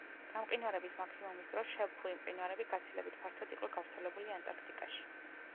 გამყინვარების მაქსიმუმის დროს შელფური მყინვარები გაცილებით ფართოდ იყო გავრცელებული ანტარქტიკაში.